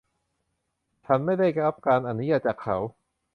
ฉันไม่ได้รับการอนุญาตจากเขา